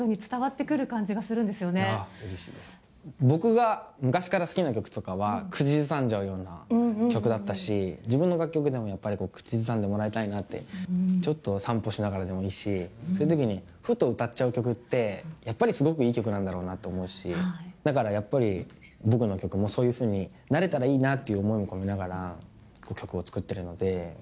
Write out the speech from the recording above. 僕が昔から好きな曲とかは、口ずさんじゃうような曲だったし、自分の楽曲でもやっぱり口ずさんでもらいたいなって、ちょっと散歩しながらでもいいし、そういうときにふと歌っちゃう曲ってやっぱりすごくいい曲なんだろうなと思うし、だからやっぱり僕の曲もそういうふうになれたらいいなという思いを込めながら、曲を作っているので。